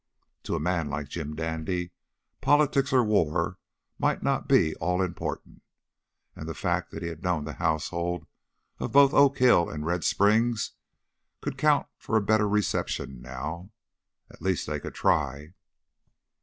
To a man like Jim Dandy politics or war might not be all important. And the fact that he had known the households of both Oak Hill and Red Springs could count for a better reception now. At least they could try.